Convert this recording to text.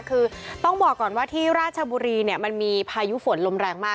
คือต้องบอกก่อนว่าที่ราชบุรีเนี่ยมันมีพายุฝนลมแรงมาก